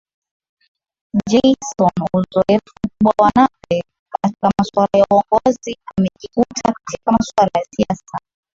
JaysonUzoefu mkubwa wa Nape katika masuala ya Uongozi umejikita katika masuala ya siasa